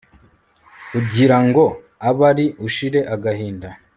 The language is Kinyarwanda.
Ugirango abari ushire agahinda